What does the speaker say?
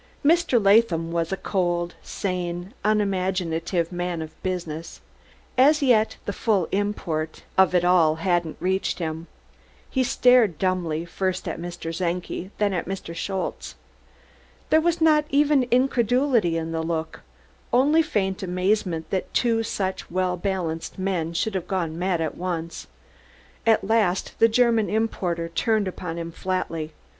Mr. Latham was a cold, sane, unimaginative man of business. As yet the full import of it all hadn't reached him. He stared dumbly, first at Mr. Czenki, then at Mr. Schultze. There was not even incredulity in the look, only faint amazement that two such well balanced men should have gone mad at once. At last the German importer turned upon him flatly.